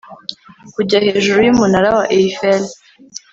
kujya hejuru yumunara wa eiffel.